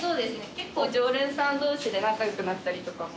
結構常連さん同士で仲良くなったりとかも。